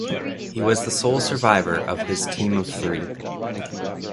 He was the sole survivor of his team of three.